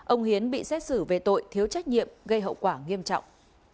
ông hiến bị xét xử về tội thiếu trách nhiệm gây hậu quả nghiêm trọng